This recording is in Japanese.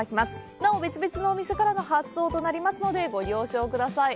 なお別々のお店からの発送となりますので、ご了承ください。